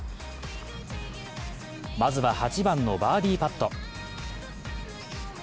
まずは８番のバーディーパット。